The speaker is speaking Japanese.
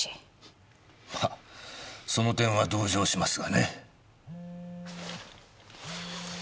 まその点は同情しますがね。